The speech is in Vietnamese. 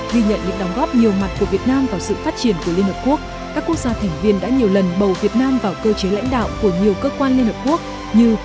ghi nhận những đóng góp nhiều mặt của việt nam vào sự phát triển của liên hợp quốc các quốc gia thành viên đã nhiều lần bầu việt nam vào cơ chế lãnh đạo của nhiều cơ quan liên hợp quốc như